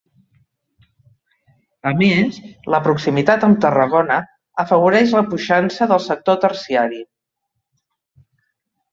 A més, la proximitat amb Tarragona, afavoreix la puixança del sector terciari.